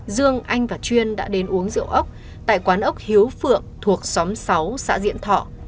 dương anh và chuyên đã đến uống rượu ốc tại quán ốc hiếu phượng thuộc xóm sáu xã diễn thọ